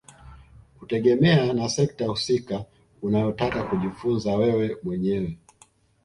Kutegemea na sekta husika unayotaka kujifunza wewe mwenyewe